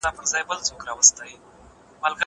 زه به سبا اوبه پاکوم!!